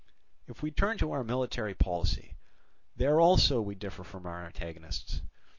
"If we turn to our military policy, there also we differ from our antagonists.